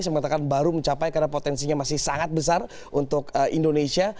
saya mengatakan baru mencapai karena potensinya masih sangat besar untuk indonesia